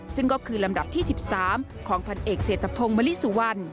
ซึ่งก็คือลำดับที่๑๓ของพันเอกเศรษฐพงศ์มลิสุวรรณ